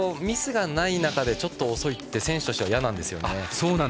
ミスがない中でちょっと遅いのは選手としてはいやなんですよね。